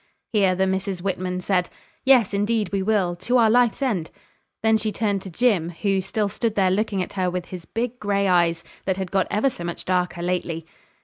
Here the Misses Whitman said 'Yes, indeed, we will to our life's end.' Then she turned to Jim, who still stood there looking at her with his big gray eyes, that had got ever so much darker lately.